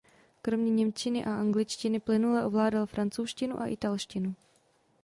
Kromě němčiny a angličtiny plynule ovládal francouzštinu a italštinu.